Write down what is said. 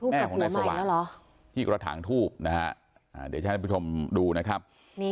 แม่ของนายสว่างที่กระถางทูบนะฮะเดี๋ยวจะให้ท่านผู้ชมดูนะครับ